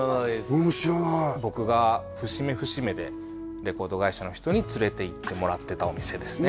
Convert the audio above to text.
俺も知らない僕が節目節目でレコード会社の人に連れていってもらってたお店ですね